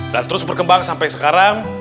dan terus berkembang sampai sekarang